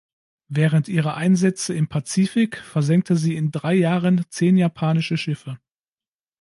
Während ihrer Einsätze im Pazifik versenkte sie in drei Jahren zehn japanische Schiffe.